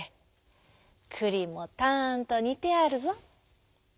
くりもたんとにてあるぞ」。